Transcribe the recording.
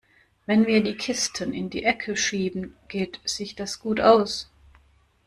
Wenn wir die Kisten in die Ecke schieben, geht sich das gut aus.